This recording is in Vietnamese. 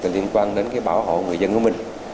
liên quan đến bảo hộ người dân của mình